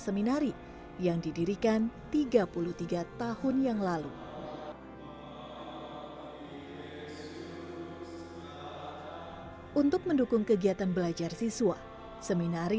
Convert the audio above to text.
seminari yang didirikan tiga puluh tiga tahun yang lalu untuk mendukung kegiatan belajar siswa seminari